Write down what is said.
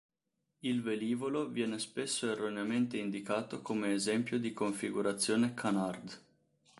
Il velivolo viene spesso erroneamente indicato come esempio di configurazione canard.